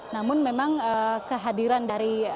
namun memang kehadiran dari